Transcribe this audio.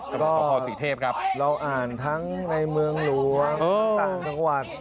ก็ภศรีเทพครับเราอ่านทั้งในเมืองหลวนอะแต่งตำวัด